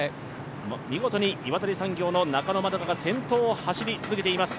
見事に岩谷産業の中野円花が先頭を走り続けています。